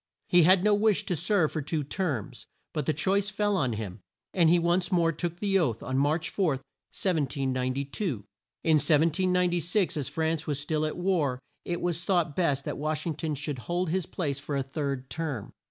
He had no wish to serve for two terms, but the choice fell on him, and he once more took the oath, on March 4, 1792. In 1796, as France was still at war, it was thought best that Wash ing ton should hold his place for a third term.